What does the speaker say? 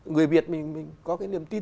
người việt mình có cái niềm tin